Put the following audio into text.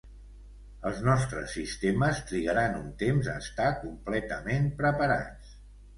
Els nostres sistemes trigaran un temps a estar completament preparats.